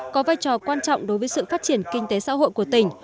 có vai trò quan trọng đối với sự phát triển kinh tế xã hội của tỉnh